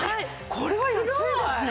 これは安いですね！